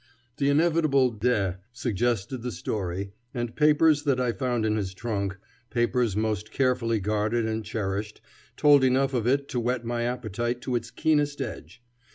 The inevitable de suggested the story, and papers that I found in his trunk papers most carefully guarded and cherished told enough of it to whet my appetite to its keenest edge.